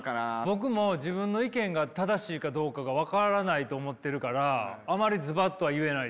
僕も自分の意見が正しいかどうかが分からないと思ってるからあまりズバッとは言えないです。